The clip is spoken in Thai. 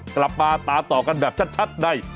กลับมาตามต่อกันแบบชัดใน